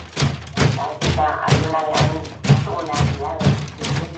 La misma suerte corrió en YouTube al día siguiente.